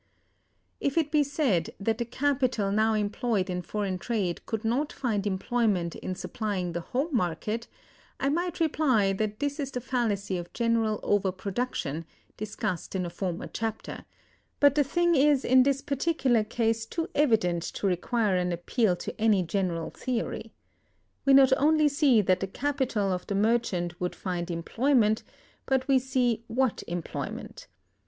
If it be said that the capital now employed in foreign trade could not find employment in supplying the home market, I might reply that this is the fallacy of general over production, discussed in a former chapter; but the thing is in this particular case too evident to require an appeal to any general theory. We not only see that the capital of the merchant would find employment, but we see what employment.